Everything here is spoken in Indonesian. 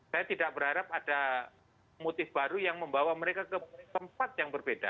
saya tidak berharap ada motif baru yang membawa mereka ke tempat yang berbeda